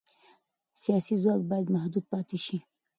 سیاسي ځواک باید محدود پاتې شي